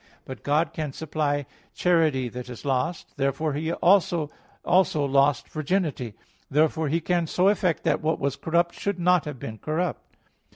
But God can supply charity that is lost; therefore also lost virginity. Therefore He can so effect that what was corrupt should not have been corrupt.